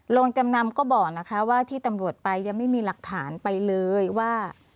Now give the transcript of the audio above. จำนำก็บอกนะคะว่าที่ตำรวจไปยังไม่มีหลักฐานไปเลยว่า